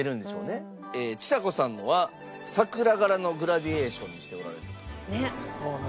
ちさ子さんのは桜柄のグラデーションにしておられると。